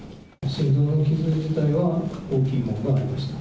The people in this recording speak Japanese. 心臓の傷自体は大きいものがありました。